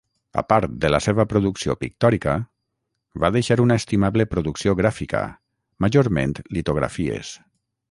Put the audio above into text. A part de la seva producció pictòrica, va deixar una estimable producció gràfica, majorment litografies.